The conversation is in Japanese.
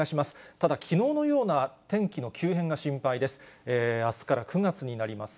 ただ、きのうのような天気の急変が心配です。